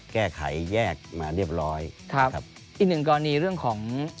แก้ไขแยกมาเรียบร้อยครับอีกหนึ่งก็อันนี้เรื่องของ